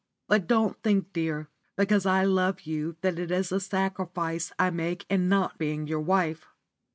But don't think, dear, because I love you that it is a sacrifice I make in not being your wife.